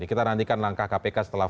kita nantikan langkah kpk setelah